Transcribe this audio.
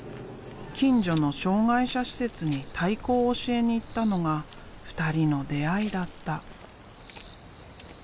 近所の障害者施設に太鼓を教えに行ったのが２人の出会いだった。